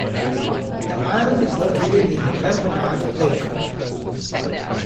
The island is located in the Vembanad Lake.